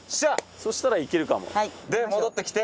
そしたらいけるかも。